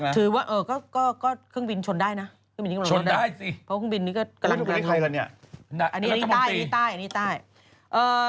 สูงมากนะคุณบินชนได้นะชนได้สิไม่ต้องไปเรียกใครกันเนี่ยนี่ใต้